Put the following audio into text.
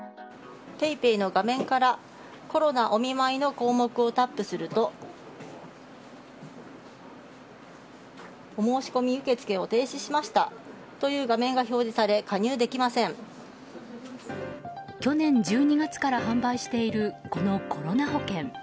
ＰａｙＰａｙの画面からコロナお見舞いの項目をタップするとお申し込み受付を停止しましたという画面が表示され去年１２月から販売しているこのコロナ保険。